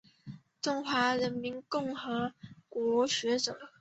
中华人民共和国学者。